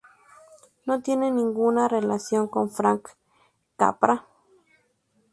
No tiene ninguna relación con Frank Capra.